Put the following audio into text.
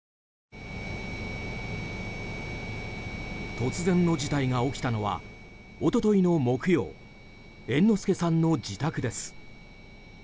突然の事態が起きたのは一昨日の木曜猿之助さんの自宅です。